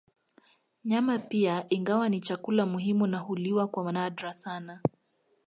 Nyama pia ingawa ni chakula muhimu na huliwa kwa nadra sana